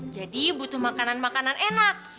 jadi butuh makanan makanan enak